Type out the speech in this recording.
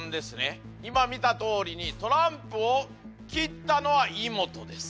今見たとおりにトランプを切ったのはイモトです。